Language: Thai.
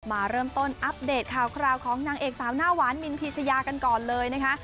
มาเริ่มต้นอัปเดตข่าวคราวของนางเอกสาวหน้าหวานมินพีชยากันก่อนเลยนะคะ